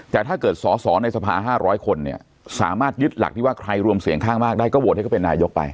แต่ถ้าเกิดสอสอในสภา๕๐๐คนเนี่ยสามารถยึดหลักที่ว่าใครรวมเสียงข้างมากได้ก็โหวตให้เขาเป็นนายกไป